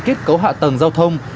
kết cấu hạ tầng giao thông